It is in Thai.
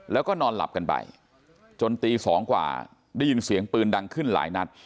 แล้วก็นอนหลับกันไปจนตี๒กว่าได้ยินเสียงปืนดังขึ้นหลายนัด